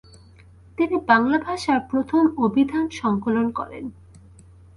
তিনি বাংলা ভাষার প্রথম অভিধান সঙ্কলন করেন।